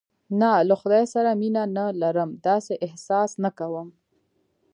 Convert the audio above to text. نه، له خدای سره مینه نه لرم، داسې احساس نه کوم.